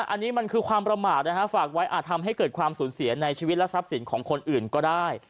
อันนี้มันคือความประมาทนะฮะฝากไว้อาจทำให้เกิดความสูญเสียในชีวิตและทรัพย์สินของคนอื่นก็ได้